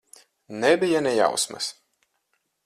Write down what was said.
Nebija ne jausmas.